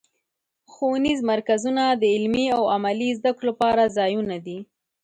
ښوونیز مرکزونه د علمي او عملي زدهکړو لپاره ځایونه دي.